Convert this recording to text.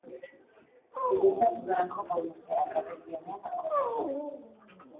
Zuretzat udarako gau luzeak, abesti honen akordeak.